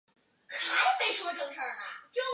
以区内有高桥镇得名。